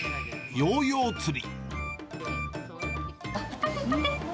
ヨーヨー釣り。